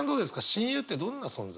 親友ってどんな存在？